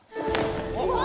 うわ！